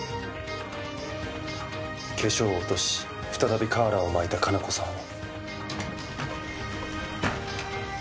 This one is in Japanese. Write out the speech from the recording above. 化粧を落とし再びカーラーを巻いた加奈子さんを。